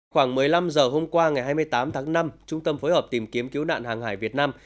khoảng một mươi năm giờ hôm qua ngày hai mươi tám tháng năm trung tâm phối hợp tìm kiếm cứu nạn hàng hải việt nam